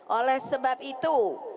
oleh sebab itu